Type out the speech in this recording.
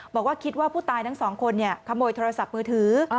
บอกว่าคิดว่าผู้ตายทั้งสองคนขโมยโทรศัพท์มือถือ